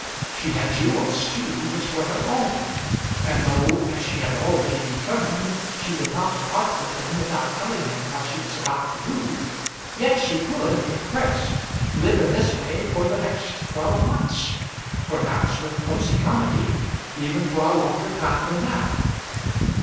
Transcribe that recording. She had jewels too which were her own; and though, as she had already determined, she would not part with them without telling him what she was about to do, yet she could, if pressed, live in this way for the next twelve months; perhaps, with close economy, even for a longer time than that.